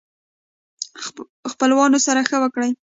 خپلوانو سره ښه وکړئ